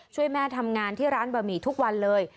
ช่วยแม่ทำงานที่ร้านบะหมี่ทุกวันเลย